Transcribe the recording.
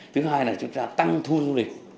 thứ hai là chúng ta tăng thu du lịch